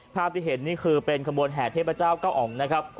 ภาพที่เห็นนี่คือเป็นขบวนแห่เทพเจ้าเก้าอ๋องนะครับ